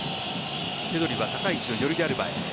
ペドリは高い位置のジョルディアルバへ。